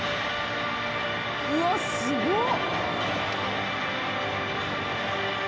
うわすごっ！